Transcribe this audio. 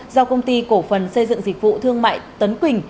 do công ty cổ phần xây dựng dịch vụ thương mại tấn quỳnh